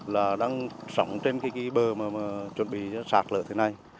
là đang sống trên cái bờ mà chuẩn bị sạt lở thế này